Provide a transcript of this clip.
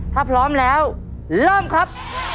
ถ้าพร้อมแล้วเริ่มครับ